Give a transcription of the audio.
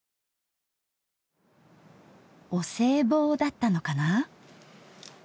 お歳暮だったのかな？